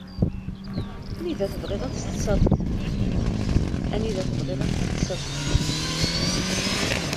Anida tebɣiḍ ad teṭṭseḍ?